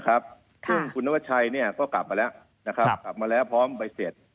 ซึ่งคุณธวัตชัยก็กลับมาแล้วพร้อมไปเสร็จ